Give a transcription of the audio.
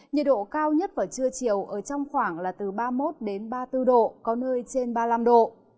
nhiệt độ cao nhất vào trưa chiều ở trong khoảng là từ ba mươi một ba mươi bốn độ có nơi trên ba mươi năm độ